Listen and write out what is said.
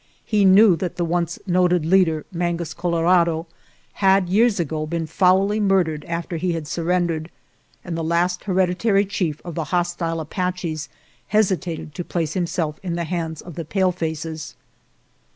He knew that the once noted leader, Mangus Colorado, had, years ago, been foully mur dered after he had surrendered, and the last 154 SURRENDER OF GERONIMO hereditary chief of the hostile Apaches hes itated to place himself in the hands of the palefaces.